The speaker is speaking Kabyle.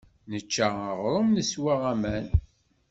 Nečča aɣrum, neswa aman.